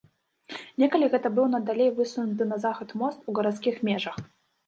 Некалі гэта быў найдалей высунуты на захад мост у гарадскіх межах.